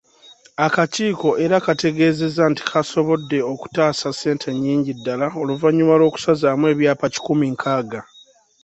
Akakiiko era kategezezza nti kasobodde okutaasa ssente nnyingi ddala oluvanyuma lw'okusazaamu ebyapa kikumi nkaaga.